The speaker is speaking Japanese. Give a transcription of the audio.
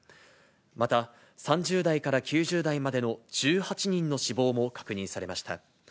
また３０代から９０代までの１８人の死亡も確認されました。